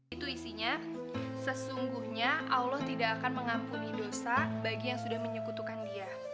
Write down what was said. itu isinya sesungguhnya allah tidak akan mengampuni dosa bagi yang sudah menyukutukan dia